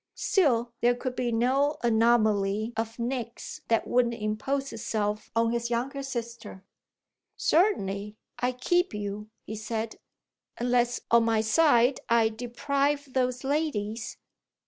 Still, there could be no anomaly of Nick's that wouldn't impose itself on his younger sister. "Certainly, I keep you," he said, "unless on my side I deprive those ladies